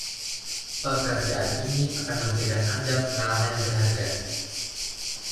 Pekerjaan ini akan memberikan Anda pengalaman yang berharga.